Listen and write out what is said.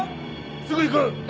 すぐ行く！